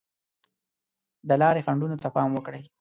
د لارې خنډونو ته پام وکړئ.